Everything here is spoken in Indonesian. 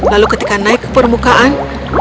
lalu ketika naik ke permukaan